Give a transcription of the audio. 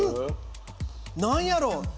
何やろう？